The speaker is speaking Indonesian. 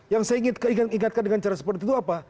yang saya ingatkan dengan cara seperti itu apa